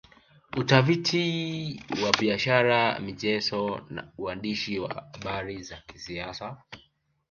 Utafiti wa biashara michezo na uandishi wa habari za kisiasa